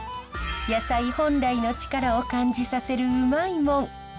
野菜本来の力を感じさせるウマいモン。